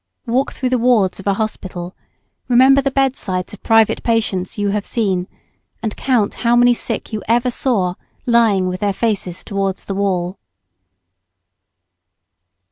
Walk through the wards of a hospital, remember the bed sides of private patients you have seen, and count how many sick you ever saw lying with their faces towards the wall.